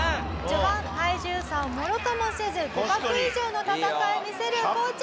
序盤体重差をもろともせず互角以上の戦いを見せるこうちゃん。